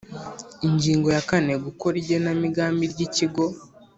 Ingingo ya kane Gukora igenamigambi ry ikigo